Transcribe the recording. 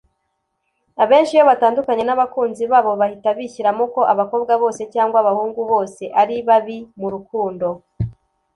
Abenshi iyo batandukanye n’abakunzi babo bahita bishyiramo ko abakobwa bose cyangwa abahungu bose ari babi mu rukundo